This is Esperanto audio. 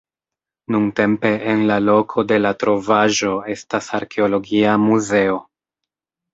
Nuntempe en la loko de la trovaĵo estas arkeologia muzeo.